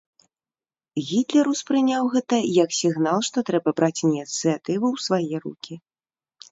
Гітлер успрыняў гэта як сігнал, што трэба браць ініцыятыву ў свае рукі.